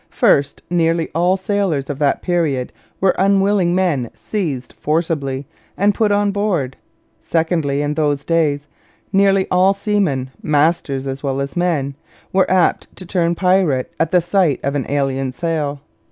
First, nearly all sailors of that period were unwilling men seized forcibly and put on board. Secondly, in those days nearly all seamen, masters as well as men, were apt to turn pirate at the sight of an alien sail.